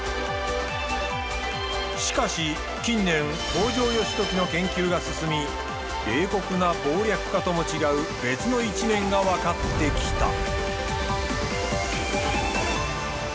しかし近年北条義時の研究が進み冷酷な謀略家とも違う別の一面が分かってきた。